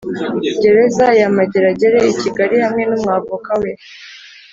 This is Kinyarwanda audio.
gereza ya Mageragere i Kigali hamwe n’umwavoka we.